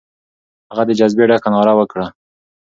هغه د جذبې ډکه ناره وکړه.